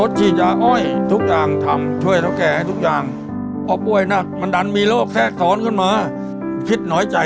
ซึ่งเป็นคำตอบที่